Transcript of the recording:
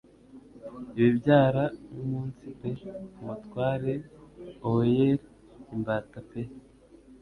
Ibibyara nkumunsi pe umutware o'er imbata pe